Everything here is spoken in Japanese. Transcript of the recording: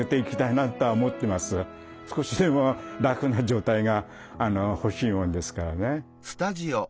少しでも楽な状態がほしいものですからね。